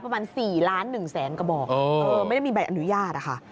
ประมาณสี่ล้านหนึ่งแสนกระบอกเออไม่ได้มีใบอนุญาตอ่ะค่ะ